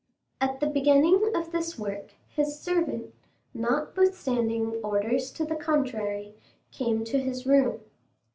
At the beginning of this work, his servant, notwithstanding orders to the contrary, came to his room.